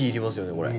これ。